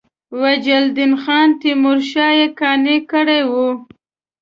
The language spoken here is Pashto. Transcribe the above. وجیه الدین خان تیمورشاه یې قانع کړی وو.